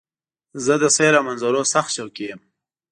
زه د سیل او منظرو سخت شوقی وم.